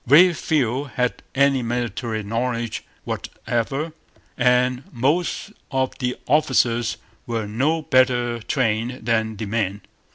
Very few had any military knowledge whatever; and most of the officers were no better trained than the men.